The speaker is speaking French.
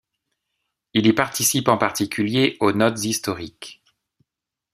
Il y participe en particulier aux notes historiques.